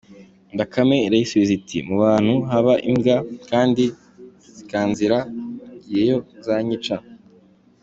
Bakame irayisubiza iti « mu bantu haba imbwa kandi zikanzira, ngiyeyo zanyica.